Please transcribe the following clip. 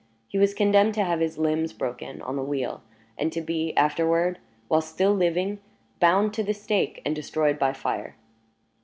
He was condemned to have his limbs broken on the wheel, and to be afterward, while still living, bound to the stake and destroyed by fire.